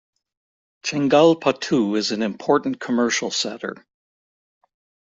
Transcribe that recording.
Chengalpattu is an important commercial center.